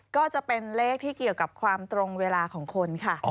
ก็จะเป็นเลขที่เกี่ยวกับความตรงเวลาของคนค่ะ